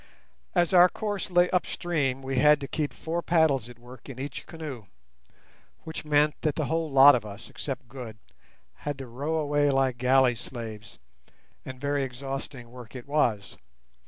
As our course lay upstream, we had to keep four paddles at work in each canoe, which meant that the whole lot of us, except Good, had to row away like galley slaves; and very exhausting work it was.